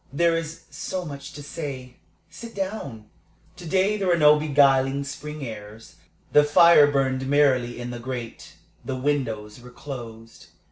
"There is so much to say. Sit down." To day there were no beguiling spring airs. The fire burned merrily in the grate; the windows were closed.